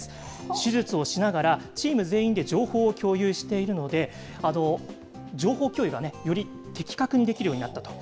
手術をしながら、チーム全員で情報を共有しているので、情報共有がね、より的確にできるようになったと。